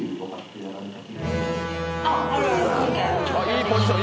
いいポジション。